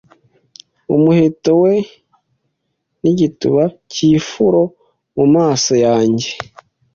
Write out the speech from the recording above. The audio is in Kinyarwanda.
umuheto we n'igituba cy'ifuro mu maso yanjye.